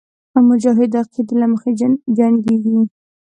مجاهد د عقیدې له مخې جنګېږي.